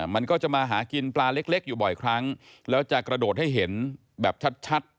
มันก็จะมาหากินปลาเล็กอยู่บ่อยครั้งแล้วจะกระโดดให้เห็นแบบชัด